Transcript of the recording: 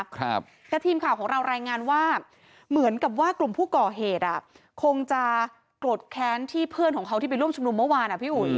แต่ทีมข่าวของเรารายงานว่าเหมือนกับว่ากลุ่มผู้ก่อเหตุอ่ะคงจะโกรธแค้นที่เพื่อนของเขาที่ไปร่วมชุมนุมเมื่อวานอ่ะพี่อุ๋ย